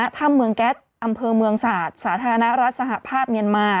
ท่ามเมืองแก๊สอำเภอเมืองสาธารณรัฐสหภาพเมียนมา